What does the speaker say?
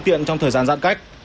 trong thời gian giãn cách